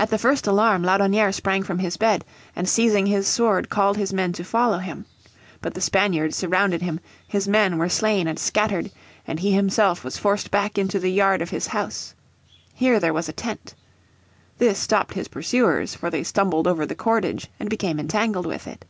At the first alarm Laudonnière sprang from his bed, and seizing his sword called his men to follow him. But the Spaniards surrounded him, his men were slain and scattered, and he himself was forced back into the yard of his house. Here there was a tent. This stopped his pursuers, for they stumbled over the cordage and became entangled with it.